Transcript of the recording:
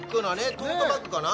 トートバッグかな？